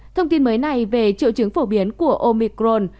thông tin mới này về triệu chứng phổ biến của omicron